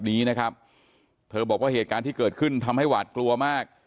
นี้นะครับเธอบอกว่าเหตุการณ์ที่เกิดขึ้นทำให้หวาดกลัวมาก